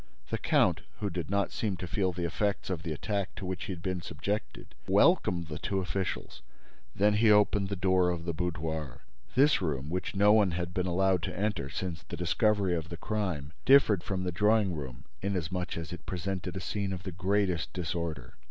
The count, who did not seem to feel the effects of the attack to which he had been subjected, welcomed the two officials. Then he opened the door of the boudoir. This room, which no one had been allowed to enter since the discovery of the crime, differed from the drawing room inasmuch as it presented a scene of the greatest disorder.